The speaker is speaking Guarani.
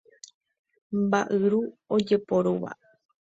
Mba'yru ojeporúva.